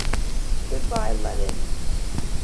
Good Bye Lenin!